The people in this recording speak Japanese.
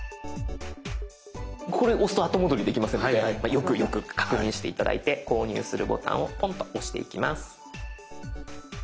これ押すと後戻りできませんのでよくよく確認して頂いて「購入する」ボタンをポンと押していきます。